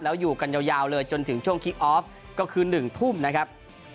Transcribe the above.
แล้วอยู่กันยาวเลยจนถึงช่วงคิกออฟก็คือ๑ทุ่มนะครับ